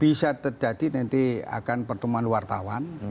bisa terjadi nanti akan pertemuan wartawan